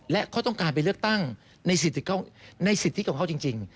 และเขาต้องการไปเลือกตั้งในสิทธิของเขาจริง